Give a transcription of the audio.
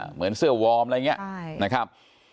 เหมือนเสื้อวอร์มอะไรอย่างเงี้ย